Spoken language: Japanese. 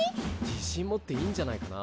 自信持っていいんじゃないかな。